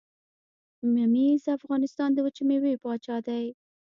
ممیز د افغانستان د وچې میوې پاچا دي.